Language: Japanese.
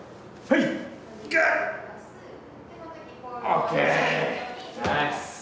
ＯＫナイス。